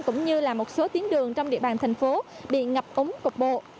cũng như là một số tiến đường trong địa bàn thành phố bị ngập ống cục bộ